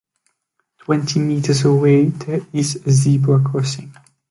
Twenty meters away there is a zebra crossing.